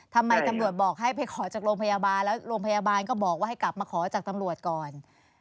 ทำไมตำรวจบอกให้ไปขอจากโรงพยาบาลแล้วโรงพยาบาลก็บอกว่าให้กลับมาขอจากตำรวจก่อน